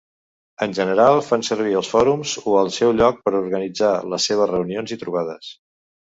En general, fan servir els fòrums o el seu lloc per organitzar les seves reunions i trobades.